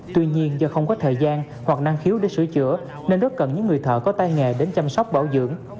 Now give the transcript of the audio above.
tuy nhiên do không có thời gian hoặc năng khiếu để sửa chữa nên rất cần những người thợ có tay nghề đến chăm sóc bảo dưỡng